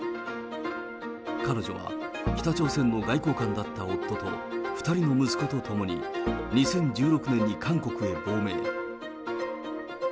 彼女は、北朝鮮の外交官だった夫と２人の息子と共に、２０１６年に韓国へ亡命。